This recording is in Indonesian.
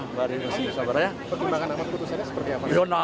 perkembangan apa putusannya seperti apa